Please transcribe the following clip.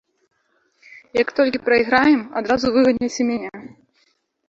Як толькі прайграем, адразу выганяць і мяне.